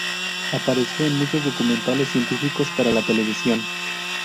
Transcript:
Apareció en muchos documentales científicos para la televisión.